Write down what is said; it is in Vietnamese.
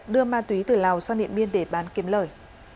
đưa ma túy từ lào sang điện biên để bán kiếm lời